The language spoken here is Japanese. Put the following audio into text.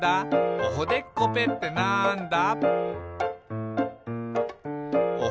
「おほでっこぺってなんだ？」